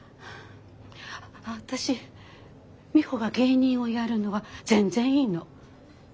私ミホが芸人をやるのは全然いいの。